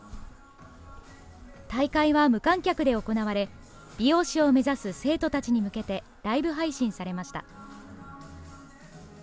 大会は無観客で行われ、美容師を目指す生徒たちに向けてライブ配信されました。